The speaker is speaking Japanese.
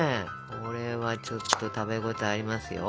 これはちょっと食べ応えありますよ。